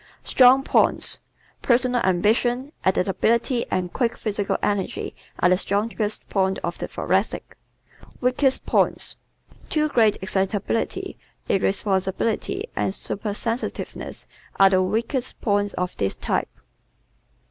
Strong Points ¶ Personal ambition, adaptability and quick physical energy are the strongest points of the Thoracic. Weakest Points ¶ Too great excitability, irresponsibility and supersensitiveness, are the weakest points of this type.